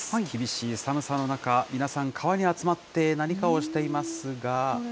厳しい寒さの中、皆さん、川に集まって何かをしていますが。